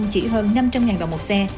chỉ hơn năm trăm linh đồng một xe